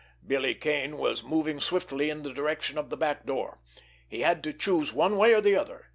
Billy Kane was moving swiftly in the direction of the back door. He had to choose one way or the other.